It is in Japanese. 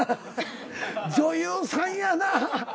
女優さんやなぁ。